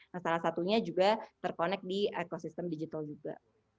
nah salah satunya juga terkonek di ekosistem digital juga